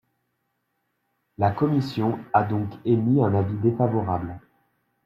La commission a donc émis un avis défavorable.